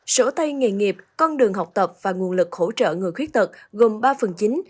sổ tay nghề nghiệp con đường học tập và nguồn lực hỗ trợ người khuyết tật gồm ba phần chín